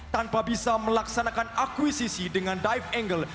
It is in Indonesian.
tanpa bisa melaksanakan akuisisi dengan dive angle